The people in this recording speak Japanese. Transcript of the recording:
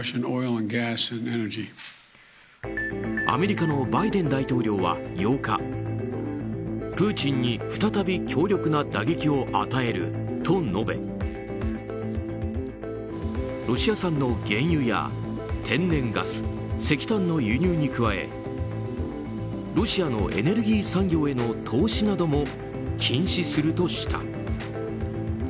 アメリカのバイデン大統領は８日プーチンに再び強力な打撃を与えると述べロシア産の原油や天然ガス石炭の輸入に加えロシアのエネルギー産業への投資なども禁止するとした。